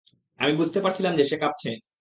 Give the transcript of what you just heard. আমি বুঝতে পারছিলাম যে, সে কাঁপছে।